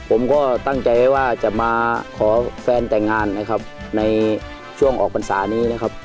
ผมก็ตั้งใจไว้ว่าจะมาขอแฟนแต่งงานนะครับในช่วงออกพรรษานี้นะครับ